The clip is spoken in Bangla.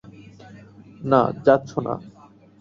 না, যাচ্ছো না।